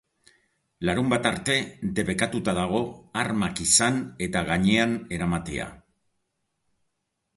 Larunbata arte debekatuta dago armak izan eta gainean eramatea.